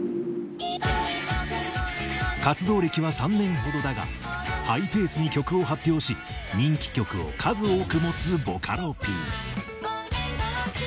それではハイペースに曲を発表し人気曲を数多く持つボカロＰ。